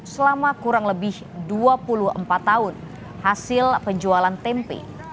selama kurang lebih dua puluh empat tahun hasil penjualan tempe